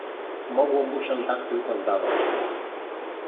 "Mogło mu się tak tylko zdawać."